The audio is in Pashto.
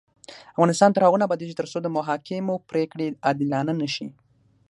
افغانستان تر هغو نه ابادیږي، ترڅو د محاکمو پریکړې عادلانه نشي.